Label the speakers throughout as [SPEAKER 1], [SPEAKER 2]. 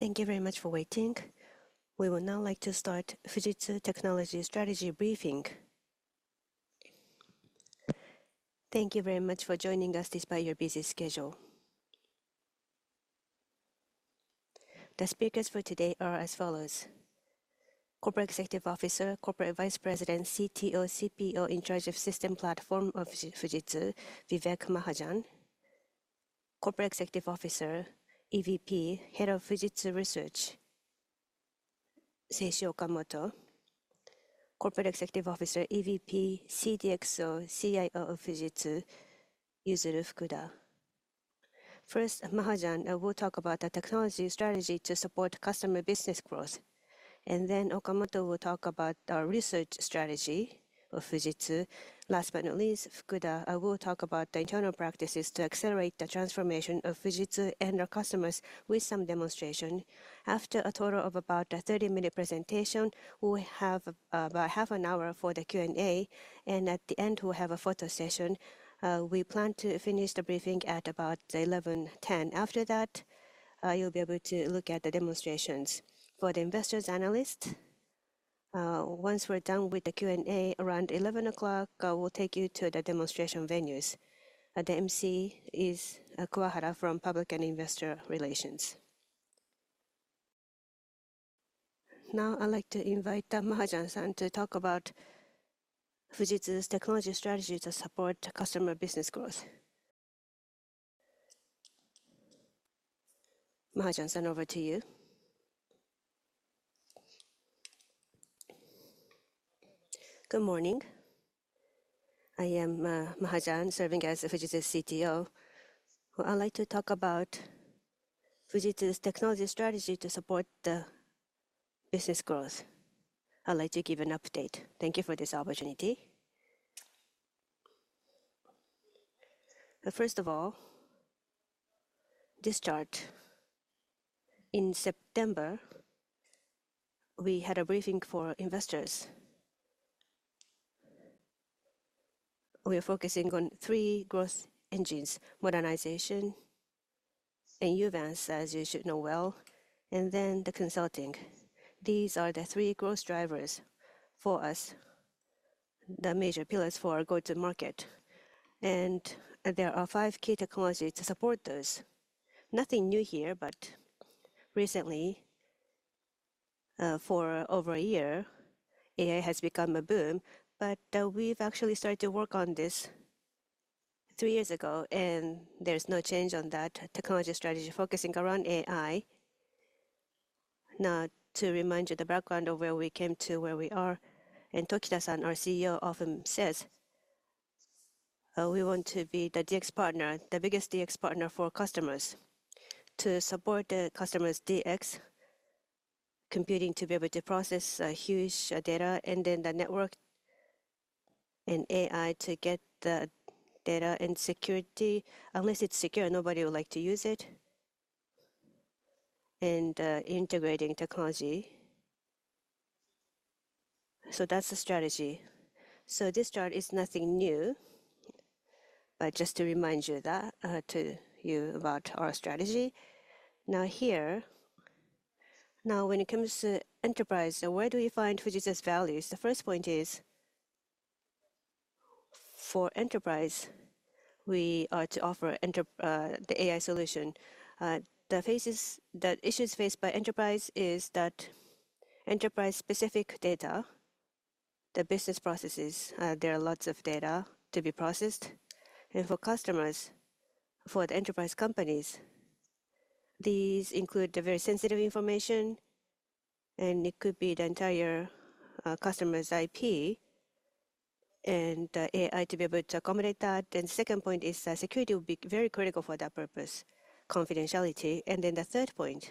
[SPEAKER 1] Thank you very much for waiting. We would now like to start Fujitsu Technology Strategy Briefing. Thank you very much for joining us despite your busy schedule. The speakers for today are as follows: Corporate Executive Officer, Corporate Vice President, CTO, CPO in charge of system platform of Fujitsu, Vivek Mahajan. Corporate Executive Officer, EVP, Head of Fujitsu Research, Seishi Okamoto. Corporate Executive Officer, EVP, CDXO, CIO of Fujitsu, Yuzuru Fukuda. First, Mahajan will talk about the technology strategy to support customer business growth, and then Okamoto will talk about the research strategy of Fujitsu. Last but not least, Fukuda will talk about the internal practices to accelerate the transformation of Fujitsu and our customers with some demonstration. After a total of about a 30-minute presentation, we'll have about half an hour for the Q&A, and at the end, we'll have a photo session. We plan to finish the briefing at about 11:10 A.M. After that, you'll be able to look at the demonstrations. For the investors' analysts, once we're done with the Q&A around 11:00 A.M., we'll take you to the demonstration venues. The emcee is Kawahara from Public and Investor Relations. Now, I'd like to invite Mahajan-san to talk about Fujitsu's technology strategy to support customer business growth. Mahajan-san, over to you.
[SPEAKER 2] Good morning. I am Mahajan, serving as Fujitsu's CTO. I'd like to talk about Fujitsu's technology strategy to support the business growth. I'd like to give an update. Thank you for this opportunity. First of all, this chart. In September, we had a briefing for investors. We are focusing on three growth engines: Modernization, Uvance, as you should know well, and then the Consulting. These are the three growth drivers for us, the major pillars for our go-to-market. There are five key technologies to support those. Nothing new here, but recently, for over a year, AI has become a boom. But we've actually started to work on this three years ago, and there's no change on that technology strategy focusing around AI. Now, to remind you the background of where we came to, where we are, and Tokita-san, our CEO, often says, "We want to be the DX partner, the biggest DX partner for customers, to support the customer's DX Computing to be able to process huge data, and then the Network and AI to get the Data and Security. Unless it's secure, nobody would like to use it," and integrating technology. So that's the strategy. So this chart is nothing new, but just to remind you that to you about our strategy. Now, here, now when it comes to enterprise, where do we find Fujitsu's values? The first point is, for enterprise, we are to offer the AI solution. The issues faced by enterprise is that enterprise-specific data, the business processes, there are lots of data to be processed, and for customers, for the enterprise companies, these include the very sensitive information, and it could be the entire customer's IP and AI to be able to accommodate that, and the second point is that security will be very critical for that purpose: confidentiality, and then the third point,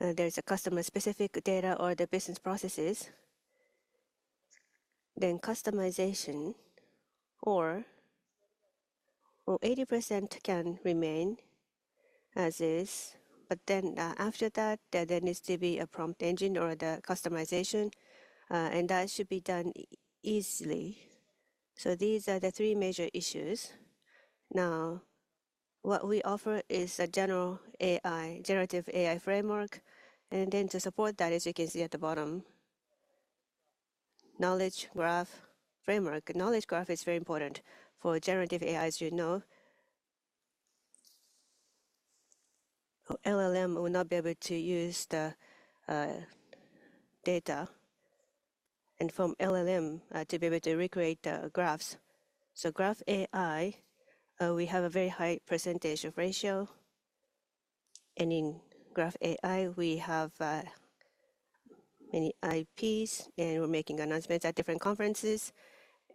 [SPEAKER 2] there's customer-specific data or the business processes, then customization, or 80% can remain as is, but then after that, there needs to be a prompt engine or the customization, and that should be done easily, so these are the three major issues. Now, what we offer is a general AI, generative AI framework, and then to support that, as you can see at the bottom, knowledge graph framework. Knowledge graph is very important for generative AI, as you know. LLM will not be able to use the data and from LLM to be able to recreate the graphs, so graph AI, we have a very high percentage of ratio, and in graph AI, we have many IPs, and we're making announcements at different conferences,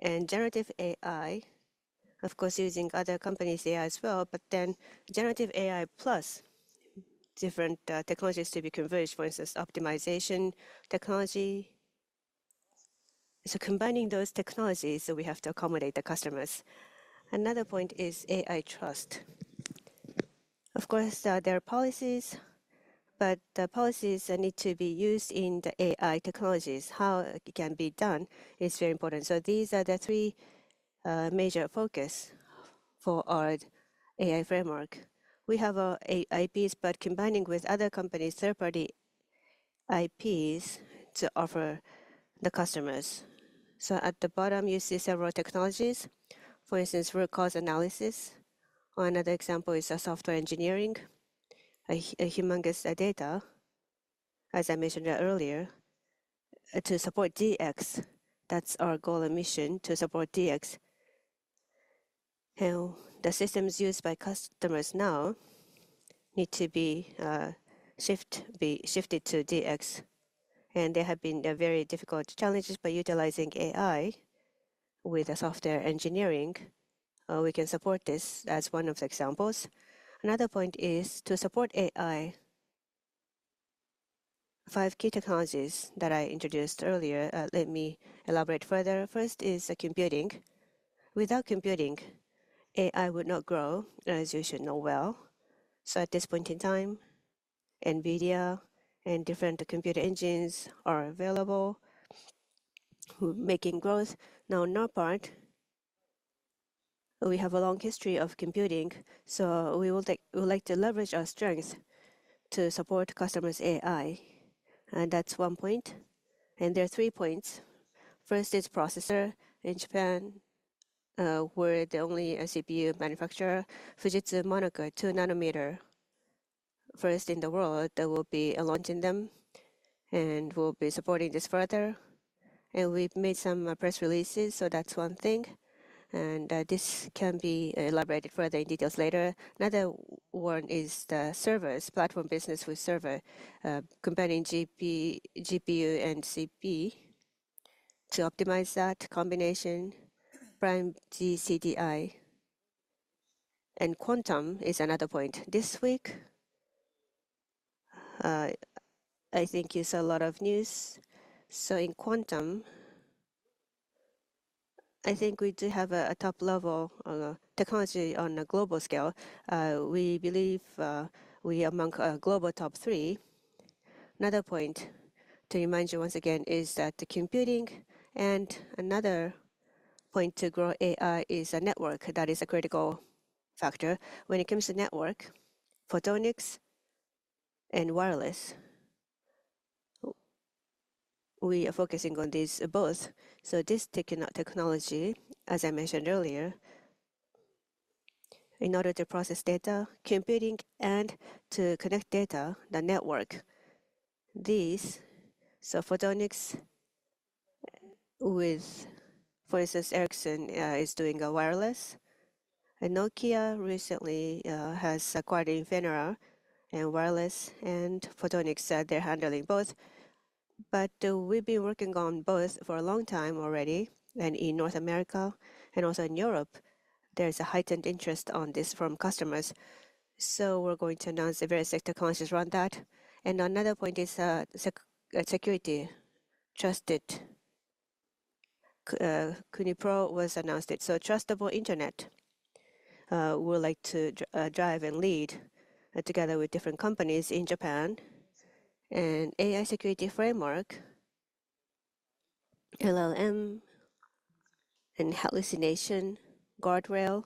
[SPEAKER 2] and generative AI, of course, using other companies' AI as well, but then generative AI plus different technologies to be converged, for instance, optimization technology, so combining those technologies, we have to accommodate the customers. Another point is AI trust. Of course, there are policies, but the policies need to be used in the AI technologies. How it can be done is very important, so these are the three major focuses for our AI framework. We have our IPs, but combining with other companies' third-party IPs to offer the customers. So at the bottom, you see several technologies. For instance, root cause analysis. Another example is software engineering, humongous data, as I mentioned earlier, to support DX. That's our goal and mission to support DX. And the systems used by customers now need to be shifted to DX. And there have been very difficult challenges, but utilizing AI with software engineering, we can support this as one of the examples. Another point is to support AI, five key technologies that I introduced earlier. Let me elaborate further. First is computing. Without computing, AI would not grow, as you should know well. So at this point in time, NVIDIA and different computer engines are available, making growth. Now, in our part, we have a long history of computing, so we would like to leverage our strengths to support customers' AI. And that's one point. And there are three points. First is processors. In Japan, we're the only CPU manufacturer. FUJITSU-MONAKA, 2 nm, first in the world. There will be a launch in them, and we'll be supporting this further, and we've made some press releases, so that's one thing, and this can be elaborated further in detail later. Another one is the servers, platform business with server, combining GPU and CPU to optimize that combination. PRIMERGY CDI and Quantum is another point. This week, I think you saw a lot of news, so in Quantum, I think we do have a top-level technology on a global scale. We believe we are among the global top three. Another point to remind you once again is that the computing and another point to grow AI is a network. That is a critical factor. When it comes to network, photonics and wireless, we are focusing on these both. So this technology, as I mentioned earlier, in order to process data, computing, and to connect data, the network, these. So photonics with, for instance, Ericsson is doing wireless. And Nokia recently has acquired Infinera and wireless, and photonics, they're handling both. But we've been working on both for a long time already. And in North America and also in Europe, there's a heightened interest on this from customers. So we're going to announce the various technologies around that. And another point is security. Trusted Kunipro was announced. So trustable internet we would like to drive and lead together with different companies in Japan. And AI security framework, LLM and hallucination guardrail,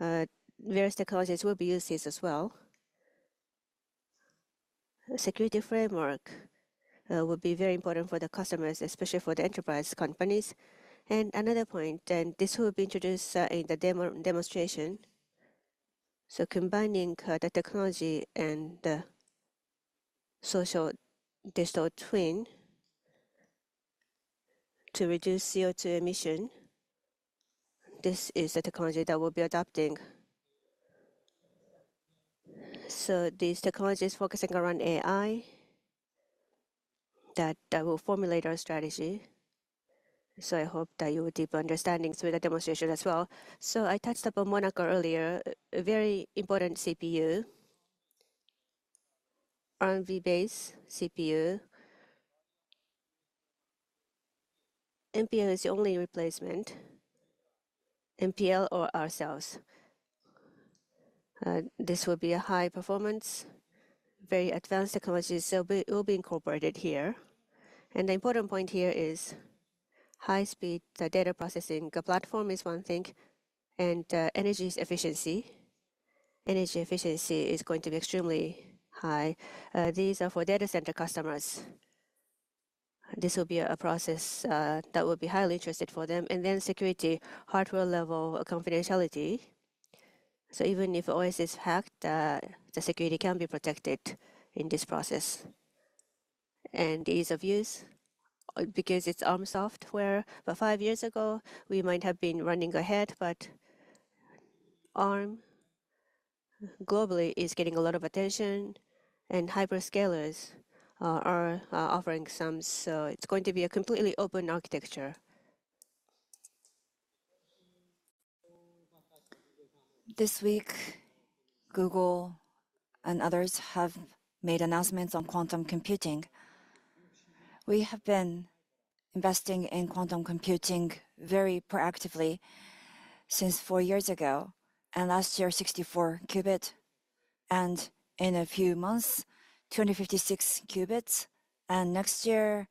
[SPEAKER 2] various technologies will be used as well. Security framework will be very important for the customers, especially for the enterprise companies. And another point, and this will be introduced in the demonstration. Combining the technology and the social digital twin to reduce CO2 emission, this is the technology that we'll be adopting. These technologies focusing around AI that will formulate our strategy. I hope that you will deepen understanding through the demonstration as well. I touched upon Monaka earlier, a very important CPU, ARM-based CPU. NPL is the only replacement, NPL or ourselves. This will be a high-performance, very advanced technology, so it will be incorporated here. The important point here is high-speed data processing. The platform is one thing, and energy efficiency. Energy efficiency is going to be extremely high. These are for data center customers. This will be a process that will be highly interested for them. Security, hardware-level confidentiality. Even if OS is hacked, the security can be protected in this process. Ease of use, because it's ARM software. But five years ago, we might have been running ahead, but Arm globally is getting a lot of attention, and hyperscalers are offering some. So it's going to be a completely open architecture. This week, Google and others have made announcements on quantum computing. We have been investing in quantum computing very proactively since four years ago, and last year, 64 qubit, and in a few months, 2,056 qubits, and next year,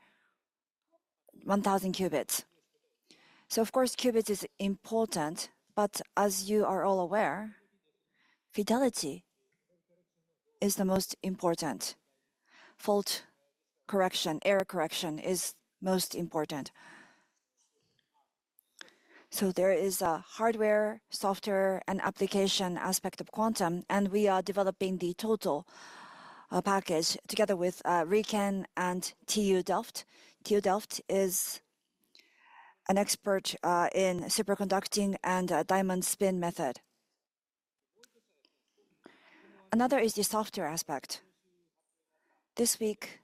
[SPEAKER 2] 1,000 qubits. So of course, qubits is important, but as you are all aware, fidelity is the most important. Fault correction, error correction is most important. So there is a hardware, software, and application aspect of quantum, and we are developing the total package together with RIKEN and TU Delft. TU Delft is an expert in superconducting and diamond spin method. Another is the software aspect. This week,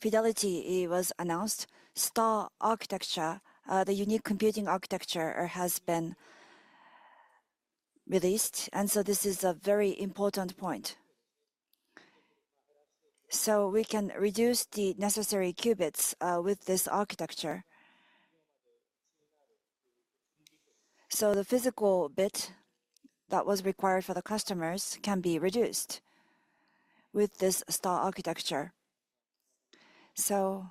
[SPEAKER 2] fidelity was announced. STAR architecture, the unique computing architecture, has been released, and so this is a very important point, so we can reduce the necessary qubits with this architecture, so the physical qubit that was required for the customers can be reduced with this STAR architecture, so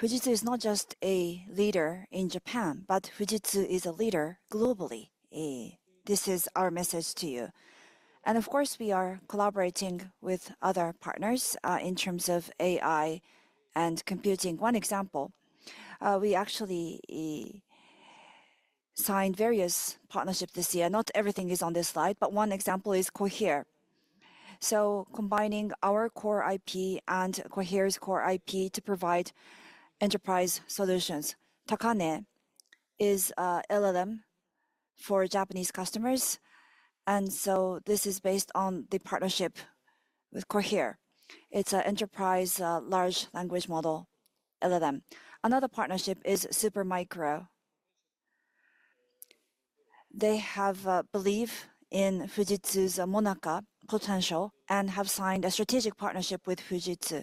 [SPEAKER 2] Fujitsu is not just a leader in Japan, but Fujitsu is a leader globally. This is our message to you, and of course, we are collaborating with other partners in terms of AI and computing. One example, we actually signed various partnerships this year. Not everything is on this slide, but one example is Cohere, so combining our core IP and Cohere's core IP to provide enterprise solutions. Takane is an LLM for Japanese customers, and so this is based on the partnership with Cohere. It's an enterprise large language model, LLM. Another partnership is Supermicro. They believe in Fujitsu's Monaka potential and have signed a strategic partnership with Fujitsu.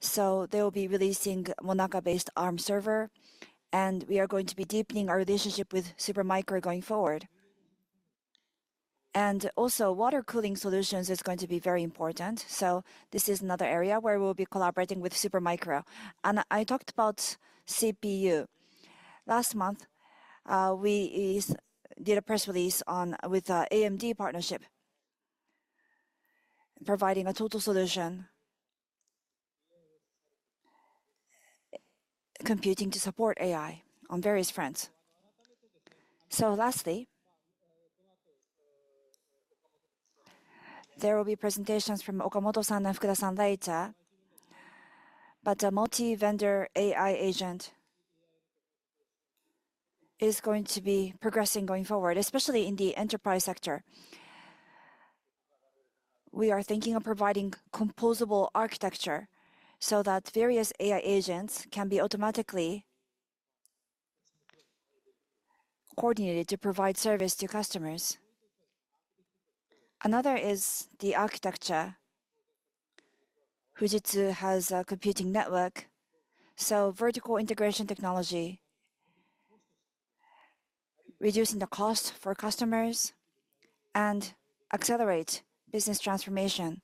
[SPEAKER 2] So they will be releasing Monaka-based Arm server, and we are going to be deepening our relationship with Supermicro going forward. And also, water cooling solutions are going to be very important. So this is another area where we'll be collaborating with Supermicro. And I talked about CPU. Last month, we did a press release with the AMD partnership, providing a total solution computing to support AI on various fronts. So lastly, there will be presentations from Okamoto-san and Fukuda-san, but a multi-vendor AI agent is going to be progressing going forward, especially in the enterprise sector. We are thinking of providing composable architecture so that various AI agents can be automatically coordinated to provide service to customers. Another is the architecture. Fujitsu has a computing network, so vertical integration technology reducing the cost for customers and accelerating business transformation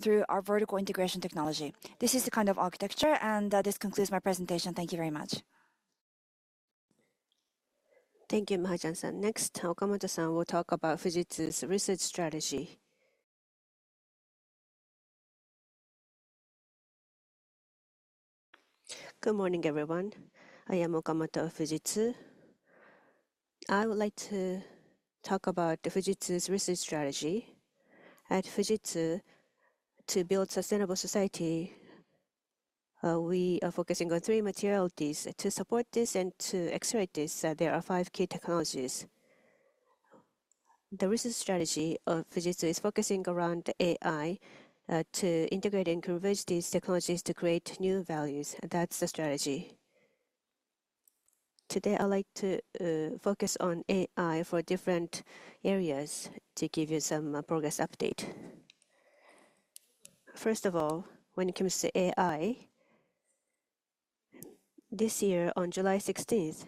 [SPEAKER 2] through our vertical integration technology. This is the kind of architecture, and this concludes my presentation. Thank you very much.
[SPEAKER 1] Thank you, Mahajan-san. Next, Okamoto-san will talk about Fujitsu's research strategy.
[SPEAKER 3] Good morning, everyone. I am Okamoto of Fujitsu. I would like to talk about Fujitsu's research strategy. At Fujitsu, to build a sustainable society, we are focusing on three materialities, to support this and to accelerate this, there are five key technologies. The research strategy of Fujitsu is focusing around AI to integrate and converge these technologies to create new values. That's the strategy. Today, I'd like to focus on AI for different areas to give you some progress update. First of all, when it comes to AI, this year, on July 16th,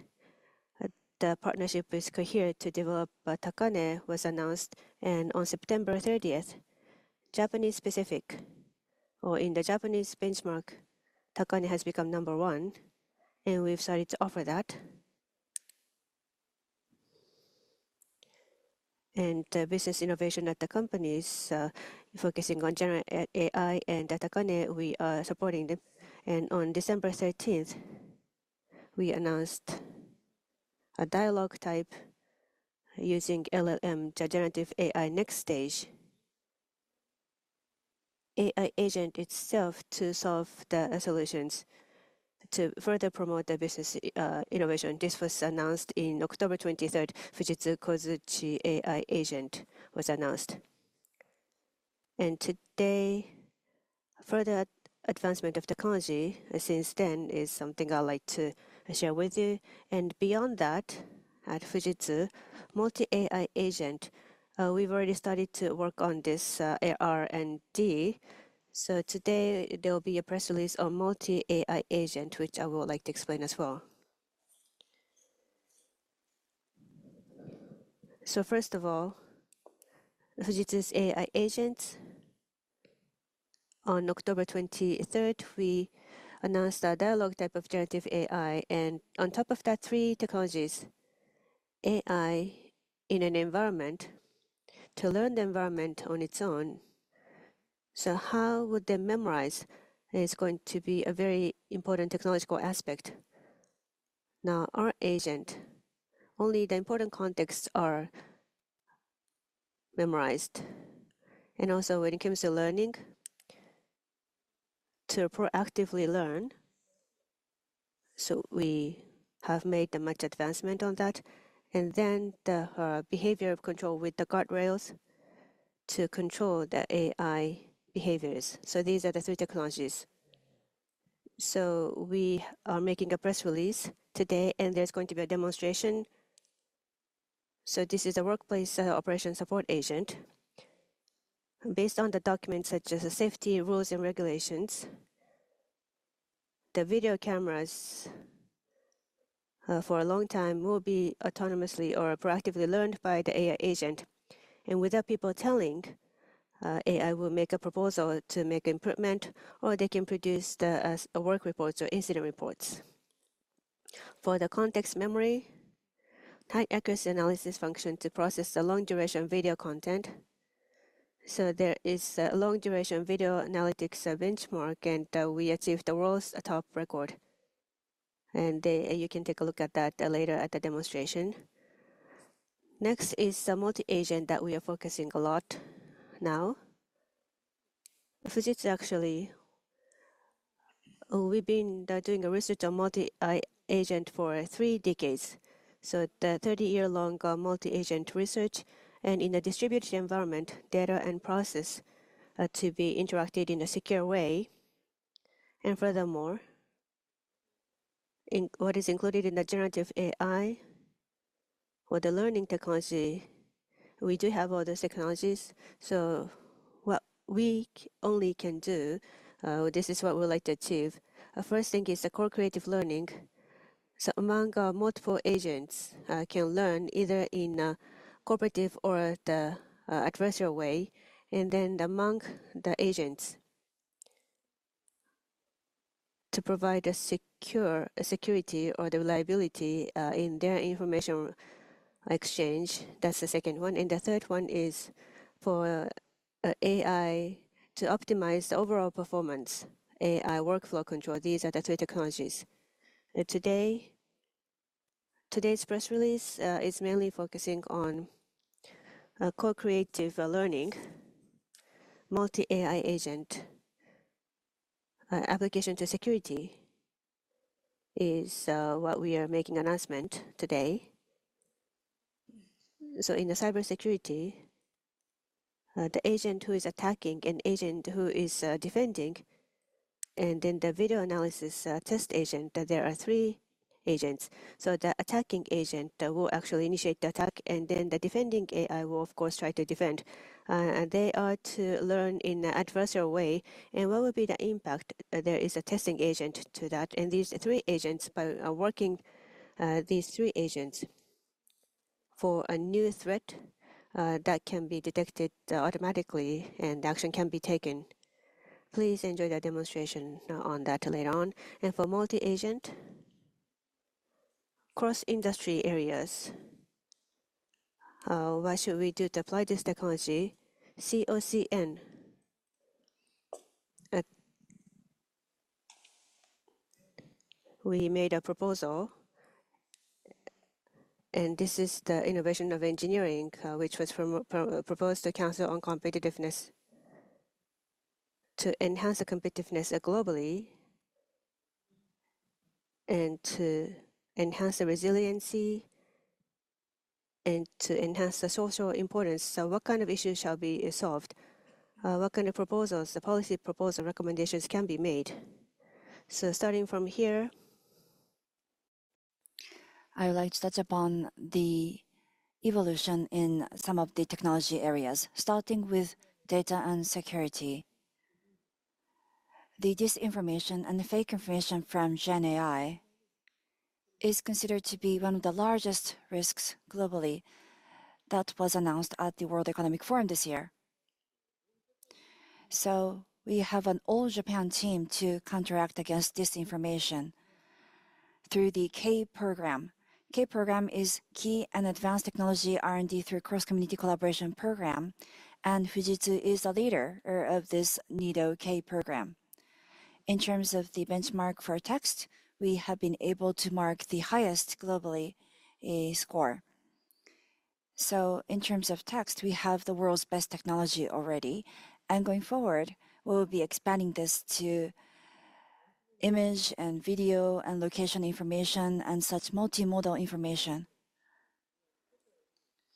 [SPEAKER 3] the partnership with Cohere to develop Takane was announced, and on September 30th, Japanese-specific, or in the Japanese benchmark, Takane has become number one, and we've started to offer that. And business innovation at the company is focusing on generative AI, and at Takane, we are supporting them. And on December 13th, we announced a dialogue type using LLM, Generative AI Next Stage, AI agent itself to solve the solutions to further promote the business innovation. This was announced on October 23rd, Fujitsu Kozuchi AI agent was announced. And today, further advancement of technology since then is something I'd like to share with you. And beyond that, at Fujitsu, multi-AI agent, we've already started to work on this R&D. So today, there will be a press release on multi-AI agent, which I would like to explain as well. So first of all, Fujitsu's AI agent, on October 23rd, we announced a dialogue type of generative AI, and on top of that, three technologies, AI in an environment to learn the environment on its own. So how would they memorize? It's going to be a very important technological aspect. Now, our agent, only the important contexts are memorized. And also, when it comes to learning, to proactively learn. So we have made much advancement on that. And then the behavior of control with the guardrails to control the AI behaviors. So these are the three technologies. So we are making a press release today, and there's going to be a demonstration. So this is a workplace operation support agent. Based on the documents, such as safety rules and regulations, the video cameras for a long time will be autonomously or proactively learned by the AI agent, and without people telling, AI will make a proposal to make an improvement, or they can produce work reports or incident reports. For the context memory, tight accuracy analysis function to process the long-duration video content, so there is a long-duration video analytics benchmark, and we achieved the world's top record, and you can take a look at that later at the demonstration. Next is the multi-agent that we are focusing a lot now. Fujitsu actually, we've been doing research on multi-agent for three decades, so the 30-year-long multi-agent research and in a distributed environment, data and process to be interacted in a secure way. And furthermore, what is included in the generative AI or the learning technology? We do have all those technologies. So what we only can do, this is what we'd like to achieve. The first thing is the co-creative learning. So among multiple agents, can learn either in a cooperative or the adversarial way, and then among the agents to provide the security or the reliability in their information exchange. That's the second one. And the third one is for AI to optimize the overall performance, AI workflow control. These are the three technologies. Today, today's press release is mainly focusing on co-creative learning, multi-AI agent. Application to security is what we are making announcement today. So in the cybersecurity, the agent who is attacking and agent who is defending, and then the video analysis test agent, there are three agents. The attacking agent will actually initiate the attack, and then the defending AI will, of course, try to defend. They are to learn in an adversarial way. What will be the impact? There is a testing agent to that. These three agents are working, these three agents for a new threat that can be detected automatically, and the action can be taken. Please enjoy the demonstration on that later on. For multi-agent, cross-industry areas, why should we do to apply this technology? COCN. We made a proposal, and this is the innovation of engineering, which was proposed to Council on Competitiveness-Nippon to enhance the competitiveness globally and to enhance the resiliency and to enhance the social importance. What kind of issues shall be solved? What kind of proposals, the policy proposal recommendations, can be made? So starting from here, I would like to touch upon the evolution in some of the technology areas, starting with data and security. The disinformation and fake information from GenAI is considered to be one of the largest risks globally that was announced at the World Economic Forum this year. So we have an all-Japan team to counteract against disinformation through the K Program. K Program is key and advanced technology R&D through cross-community collaboration program, and Fujitsu is a leader of this NEDO K Program. In terms of the benchmark for text, we have been able to mark the highest globally score. So in terms of text, we have the world's best technology already. And going forward, we will be expanding this to image and video and location information and such multimodal information.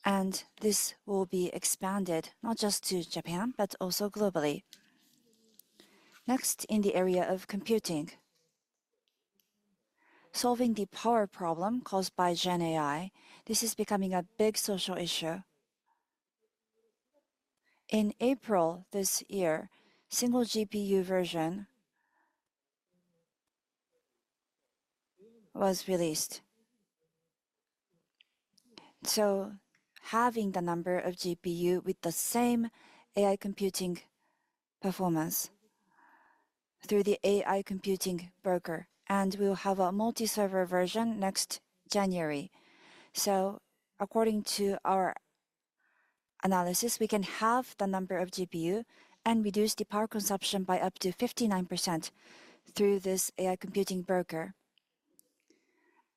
[SPEAKER 3] And this will be expanded not just to Japan, but also globally. Next, in the area of computing, solving the power problem caused by GenAI. This is becoming a big social issue. In April this year, single GPU version was released, so having the number of GPU with the same AI computing performance through the AI computing broker. And we will have a multi-server version next January, so according to our analysis, we can halve the number of GPU and reduce the power consumption by up to 59% through this AI computing broker.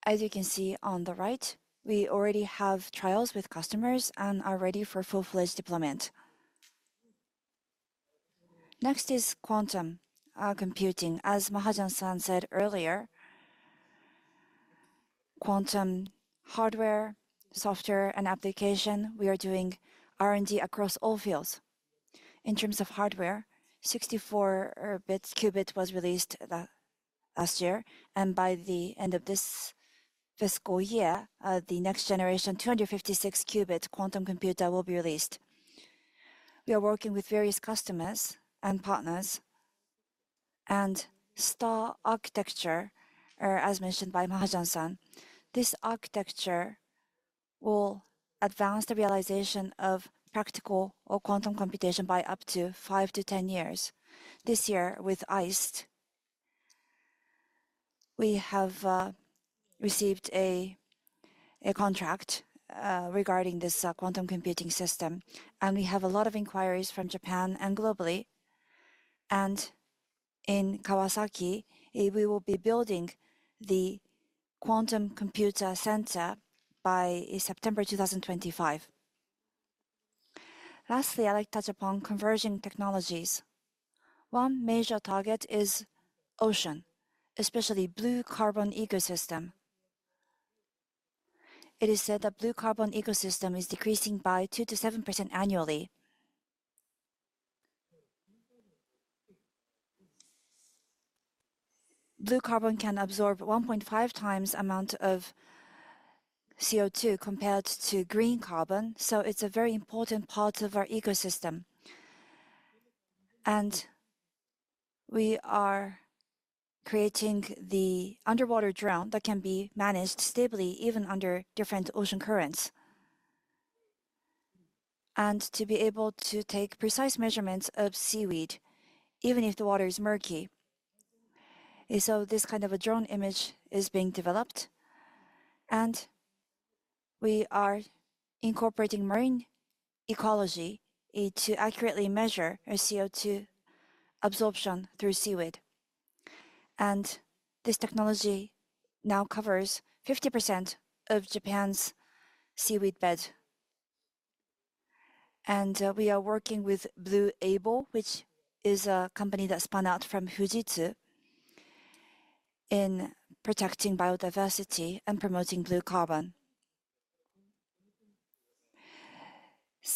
[SPEAKER 3] As you can see on the right, we already have trials with customers and are ready for full-fledged deployment. Next is quantum computing. As Mahajan-san said earlier, quantum hardware, software, and application, we are doing R&D across all fields. In terms of hardware, 64-qubit was released last year, and by the end of this fiscal year, the next generation 256-qubit quantum computer will be released. We are working with various customers and partners and STAR architecture, as mentioned by Mahajan-san. This architecture will advance the realization of practical quantum computation by up to 5-10 years. This year, with AIST, we have received a contract regarding this quantum computing system, and we have a lot of inquiries from Japan and globally, and in Kawasaki, we will be building the quantum computer center by September 2025. Lastly, I'd like to touch upon converging technologies. One major target is ocean, especially blue carbon ecosystem. It is said that blue carbon ecosystem is decreasing by 2-7% annually. Blue carbon can absorb 1.5 times the amount of CO2 compared to green carbon, so it's a very important part of our ecosystem, and we are creating the underwater drone that can be managed stably even under different ocean currents. To be able to take precise measurements of seaweed, even if the water is murky. So this kind of a drone image is being developed. We are incorporating marine ecology to accurately measure CO2 absorption through seaweed. This technology now covers 50% of Japan's seaweed bed. We are working with BLUABLE, which is a company that spun out from Fujitsu in protecting biodiversity and promoting blue carbon.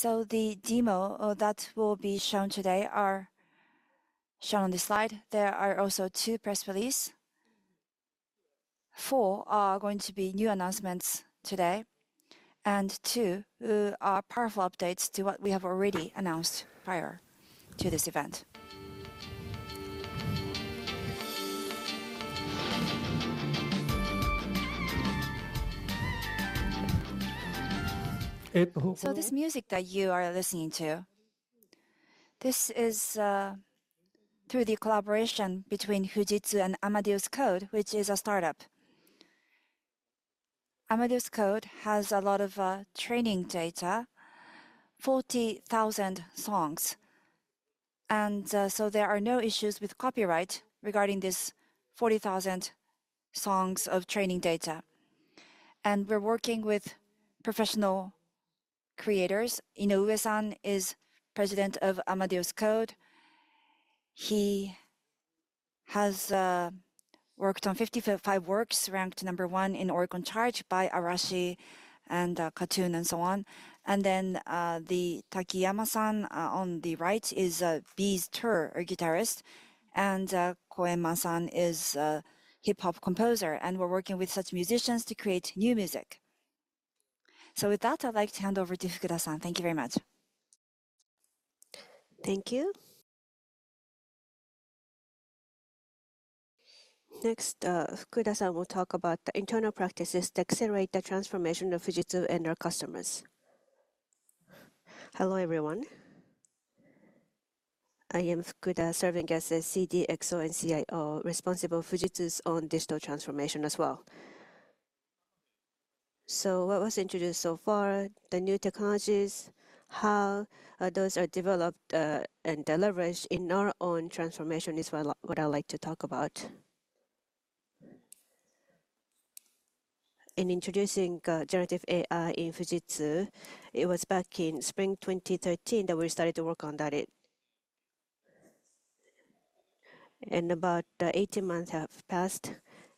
[SPEAKER 3] The demo that will be shown today are shown on the slide. There are also two press releases. Four are going to be new announcements today, and two are powerful updates to what we have already announced prior to this event. This music that you are listening to, this is through the collaboration between Fujitsu and Amadeus Code, which is a startup. Amadeus Code has a lot of training data, 40,000 songs. There are no issues with copyright regarding this 40,000 songs of training data. We're working with professional creators. Inoue-san is president of Amadeus Code. He has worked on 55 works ranked number one in Oricon Chart by Arashi and KAT-TUN and so on. Then the Takiyama-san on the right is B'z tour guitarist, and Koenma-san is a hip-hop composer. We're working with such musicians to create new music. With that, I'd like to hand over to Fukuda-san. Thank you very much.
[SPEAKER 1] Thank you. Next, Fukuda-san will talk about the internal practices to accelerate the transformation of Fujitsu and our customers.
[SPEAKER 4] Hello, everyone. I am Fukuda, serving as a CDXO and CIO responsible for Fujitsu's own digital transformation as well. What was introduced so far, the new technologies, how those are developed and delivered in our own transformation is what I'd like to talk about. In introducing generative AI in Fujitsu, it was back in spring 2013 that we started to work on that. About 18 months have passed,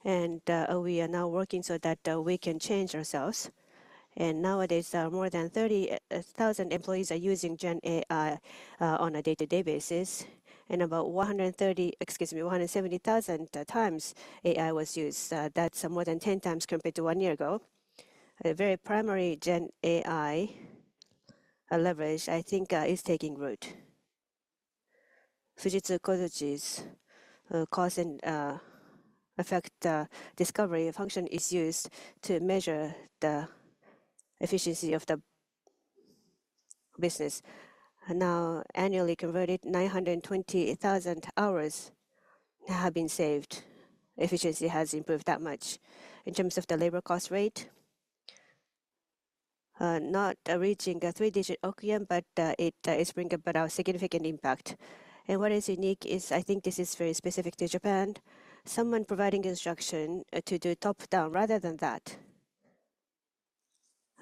[SPEAKER 4] and we are now working so that we can change ourselves. Nowadays, more than 30,000 employees are using GenAI on a day-to-day basis. About 130, excuse me, 170,000 times AI was used. That's more than 10 times compared to one year ago. A very primary GenAI leverage, I think, is taking root. Fujitsu Kozuchi's cause and effect discovery function is used to measure the efficiency of the business. Now, annually converted, 920,000 hours have been saved. Efficiency has improved that much. In terms of the labor cost rate not reaching a three-digit OEM, but it brings about a significant impact. What is unique is, I think this is very specific to Japan, someone providing instruction to do top-down rather than that.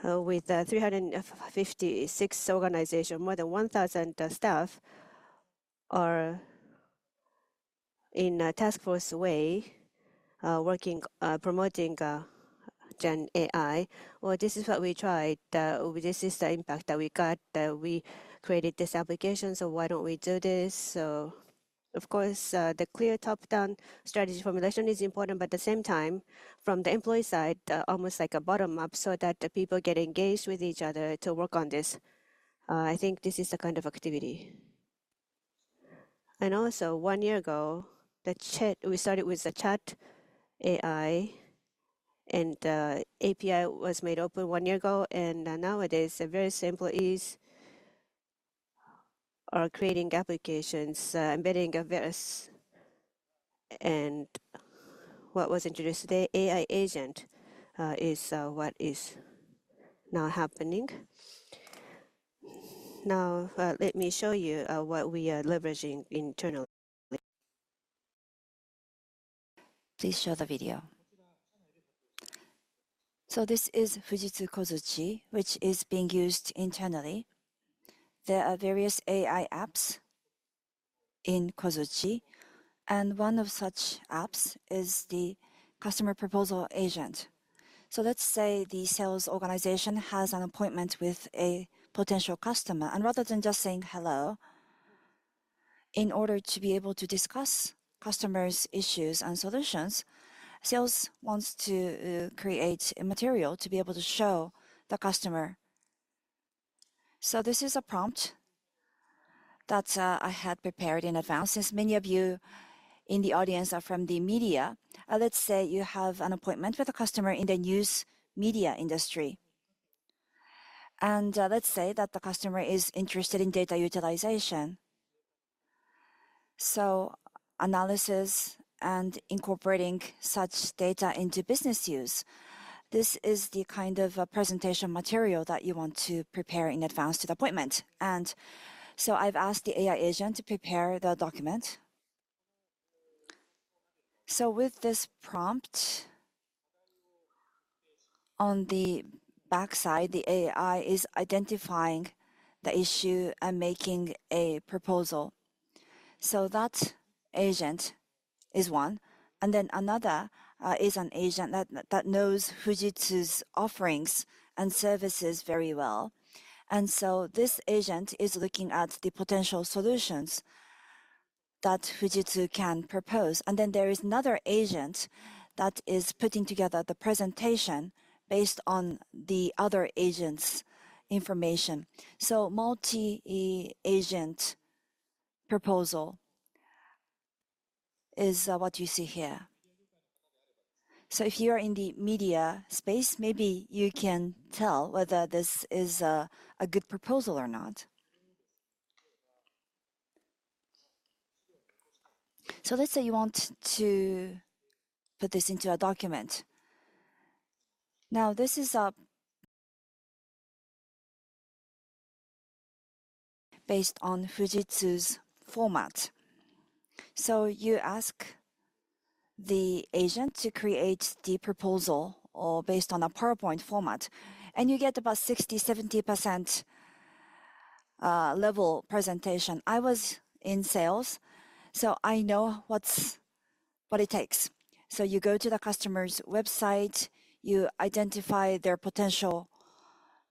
[SPEAKER 4] With 356 organizations, more than 1,000 staff are in a task force way working, promoting GenAI. This is what we tried. This is the impact that we got. We created this application, so why don't we do this? Of course, the clear top-down strategy formulation is important, but at the same time, from the employee side, almost like a bottom-up so that the people get engaged with each other to work on this. I think this is the kind of activity. Also, one year ago, we started with the chat AI, and the API was made open one year ago. And nowadays, a very simple is creating applications, embedding a verse. And what was introduced today, AI agent is what is now happening. Now, let me show you what we are leveraging internally. Please show the video. So this is Fujitsu Kozuchi, which is being used internally. There are various AI apps in Kozuchi, and one of such apps is the customer proposal agent. So let's say the sales organization has an appointment with a potential customer. And rather than just saying hello, in order to be able to discuss customers' issues and solutions, sales wants to create a material to be able to show the customer. So this is a prompt that I had prepared in advance. Since many of you in the audience are from the media, let's say you have an appointment with a customer in the news media industry. Let's say that the customer is interested in data utilization. Analysis and incorporating such data into business use. This is the kind of presentation material that you want to prepare in advance to the appointment. I've asked the AI agent to prepare the document. With this prompt, on the backside, the AI is identifying the issue and making a proposal. That agent is one. Then another is an agent that knows Fujitsu's offerings and services very well. This agent is looking at the potential solutions that Fujitsu can propose. Then there is another agent that is putting together the presentation based on the other agent's information. Multi-agent proposal is what you see here. If you are in the media space, maybe you can tell whether this is a good proposal or not. So let's say you want to put this into a document. Now, this is based on Fujitsu's format. So you ask the agent to create the proposal based on a PowerPoint format, and you get about 60%-70% level presentation. I was in sales, so I know what it takes. So you go to the customer's website, you identify their potential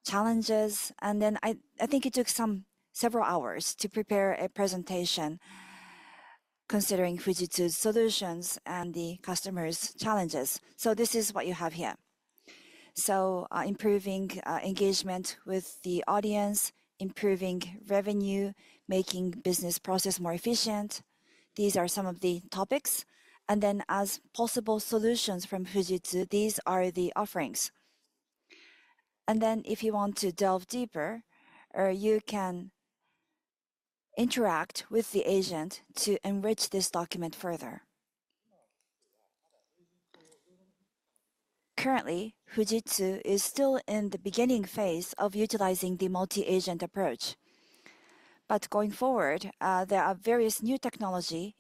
[SPEAKER 4] challenges, and then I think it took several hours to prepare a presentation considering Fujitsu's solutions and the customer's challenges. So this is what you have here. So improving engagement with the audience, improving revenue, making business process more efficient. These are some of the topics. And then as possible solutions from Fujitsu, these are the offerings. And then if you want to delve deeper, you can interact with the agent to enrich this document further. Currently, Fujitsu is still in the beginning phase of utilizing the multi-agent approach. But going forward, there are various new technologies,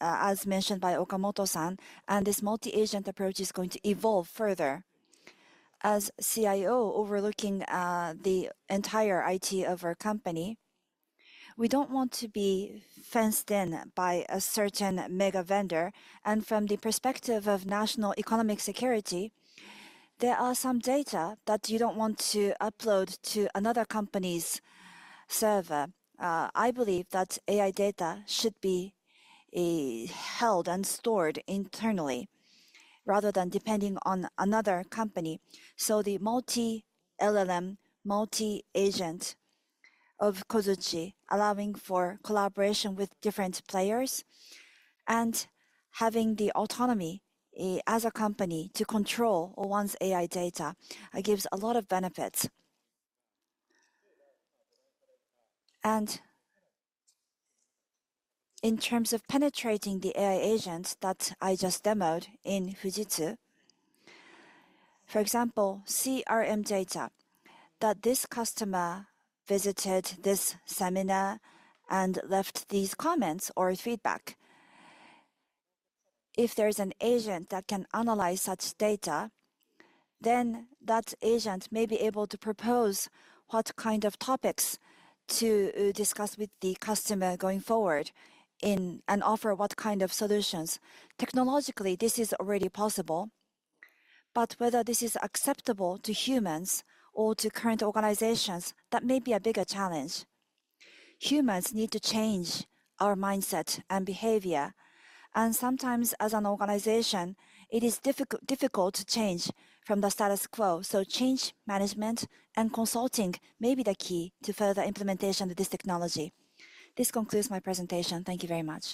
[SPEAKER 4] as mentioned by Okamoto-san, and this multi-agent approach is going to evolve further. As CIO overlooking the entire IT of our company, we don't want to be fenced in by a certain mega vendor. And from the perspective of national economic security, there are some data that you don't want to upload to another company's server. I believe that AI data should be held and stored internally rather than depending on another company. So the multi-LLM, multi-agent of Kozuchi, allowing for collaboration with different players and having the autonomy as a company to control one's AI data gives a lot of benefits. And in terms of penetrating the AI agent that I just demoed in Fujitsu, for example, CRM data that this customer visited this seminar and left these comments or feedback. If there's an agent that can analyze such data, then that agent may be able to propose what kind of topics to discuss with the customer going forward and offer what kind of solutions. Technologically, this is already possible, but whether this is acceptable to humans or to current organizations, that may be a bigger challenge. Humans need to change our mindset and behavior, and sometimes, as an organization, it is difficult to change from the status quo, so change management and consulting may be the key to further implementation of this technology. This concludes my presentation. Thank you very much.